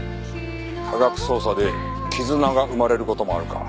科学捜査で絆が生まれる事もあるか。